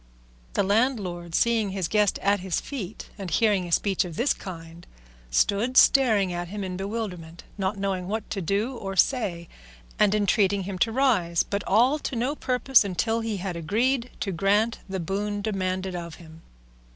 The landlord, seeing his guest at his feet and hearing a speech of this kind, stood staring at him in bewilderment, not knowing what to do or say, and entreating him to rise, but all to no purpose until he had agreed to grant the boon demanded of him.